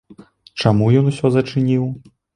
Чаму ён усё зачыніў?